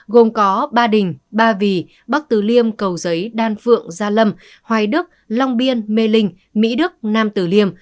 gồm có ba đình ba vì bắc từ liêm cầu giấy đan phượng gia lâm hoài đức long biên mê linh mỹ đức nam tử liêm